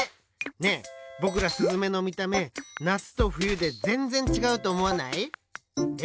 ねえぼくらスズメのみため夏と冬でぜんぜんちがうとおもわない？え？